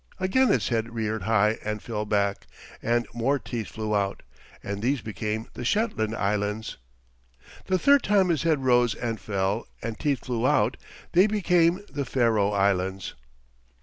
Again its head reared high and fell back, and more teeth flew out, and these became the Shetland Islands. The third time his head rose and fell, and teeth flew out; they became the Faroe Islands.